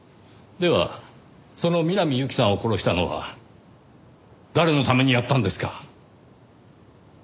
ではその南侑希さんを殺したのは誰のためにやったんですか？